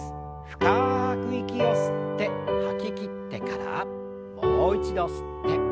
深く息を吸って吐ききってからもう一度吸って吐きましょう。